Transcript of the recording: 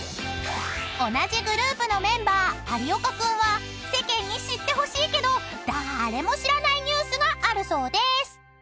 ［同じグループのメンバー有岡君は世間に知ってほしいけど誰も知らないニュースがあるそうです］